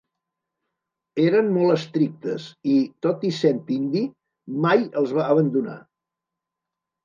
Eren molt estrictes i, tot i sent indi, mai els va abandonar.